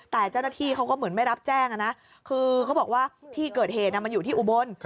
แต่เจ้าหน้าที่เขาก็เหมือนไม่รับแจ้งนะคือเขาบอกว่าที่เกิดเหตุมันอยู่ที่อุบล